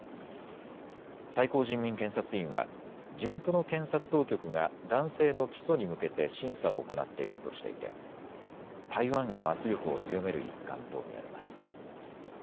最高人民検察院は地元の検察当局が男性の起訴に向けて審査を行っているとしていて台湾への圧力を強める一環と見られます。